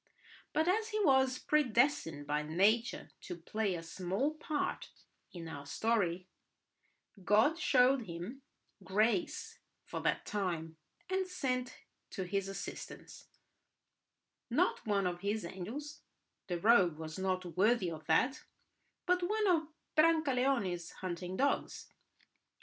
But as he was predestined by nature to play a small part in our story, God showed him grace for that time, and sent to his assistance—not one of His angels, the rogue was not worthy of that, but—one of Brancaleone's hunting dogs.